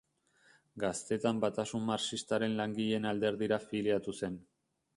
Gaztetan Batasun Marxistaren Langileen Alderdira afiliatu zen.